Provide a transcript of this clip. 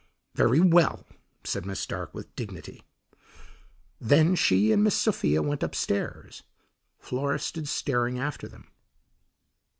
"Very well," said Miss Stark with dignity. Then she and Miss Sophia went upstairs. Flora stood staring after them.